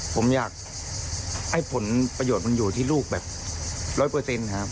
ผมอยากให้ผลประโยชน์มันอยู่ที่ลูกแบบร้อยเปอร์เซ็นต์ครับ